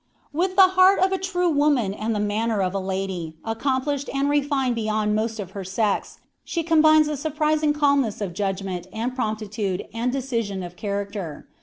"With the heart of a true woman and the manner of a lady, accomplished and refined beyond most of her sex, she combines a surprising calmness of judgment and promptitude and decision of character.